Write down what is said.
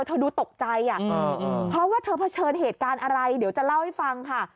ดูตกใจเพราะว่าเธอเผชิญเหตุการณ์อะไรเดี๋ยวจะเล่าให้ฟังค่ะ